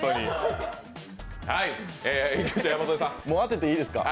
もう当てていいですか。